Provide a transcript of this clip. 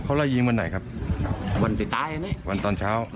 ถึงต่อสมมติมันไปไหว้พี่บัญชา